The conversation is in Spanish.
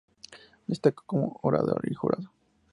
Destacó como orador y jurado.